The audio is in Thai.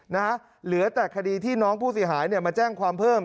เหลือแต่คดีที่น้องผู้เสียหายเนี่ยมาแจ้งความเพิ่ม